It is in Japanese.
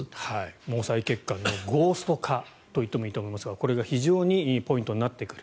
毛細血管のゴースト化といってもいいと思いますがこれが非常にポイントになってくる。